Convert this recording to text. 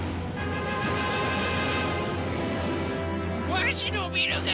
わしのビルが！